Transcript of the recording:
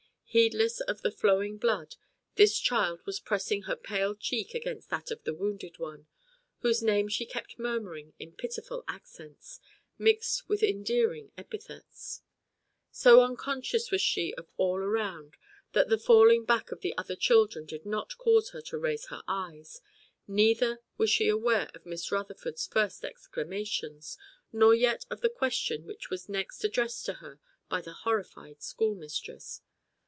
Heedless of the flowing blood, this child was pressing her pale cheek against that of the wounded one, whose name she kept murmuring in pitiful accents, mixed with endearing epithets. So unconscious was she of all around, that the falling back of the other children did not cause her to raise her eyes; neither was she aware of Miss Rutherford's first exclamations, nor yet of the question which was next addressed to her by the horrified schoolmistress.